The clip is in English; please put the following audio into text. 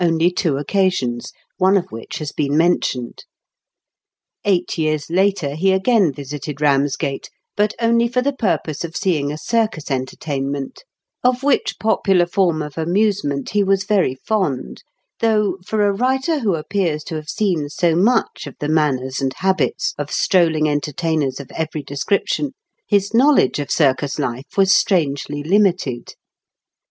251 only two occasions, one of whicli has been mentioned Eight years later he again visited Eamsgate, but only for the purpose of seeing a circus entertainment, of which popular form of amusement he was very fond, though, for a writer who appears to have seen so much of the manners and habits of strolling enter tainers of every description, his knowledge of circus life was strangely limited.